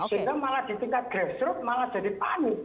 sehingga malah di tingkat grassroot malah jadi panik